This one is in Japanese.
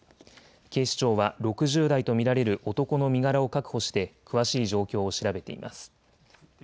警視庁は６０代と見られる男の身柄を確保して詳しい状況を調べています。